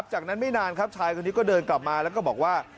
จากนั้นไม่นานครับชายคนนี้ก็เดินกลับมาแล้วก็บอกว่า